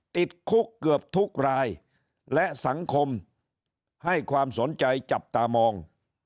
ติดคุกเกือบทุกรายและสังคมให้ความสนใจจับตามอง